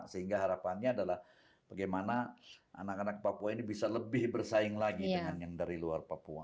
sehingga harapannya adalah bagaimana anak anak papua ini bisa lebih bersaing lagi dengan yang dari luar papua